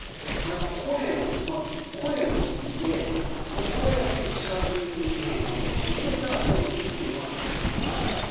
やっぱまず声を聞いてで声を聞いて近づいていって見れたらフォルム見てうわっきれいってなる。